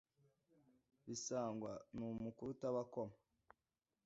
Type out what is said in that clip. bisangwa ni mukuru utabakoma